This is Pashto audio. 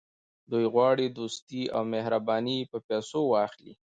دوی غواړي دوستي او مهرباني په پیسو واخلي.